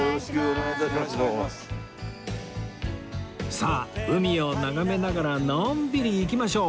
さあ海を眺めながらのんびり行きましょう